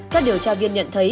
các điều tra viên nhận thấy